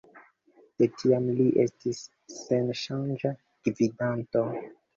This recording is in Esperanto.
De tiam li estis senŝanĝa gvidanto.